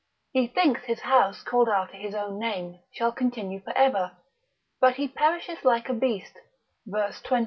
he thinks his house called after his own name, shall continue for ever; but he perisheth like a beast, verse 20.